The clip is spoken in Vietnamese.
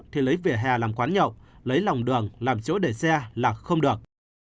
thì lấy vỉa hè làm quán nhậu lấy lòng đường làm chỗ để xe là không được